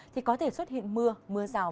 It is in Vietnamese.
thì có thể xuất hiện mưa mưa rào